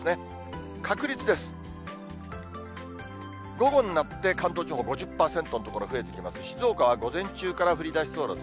午後になって、関東地方５０％の所、増えてきます。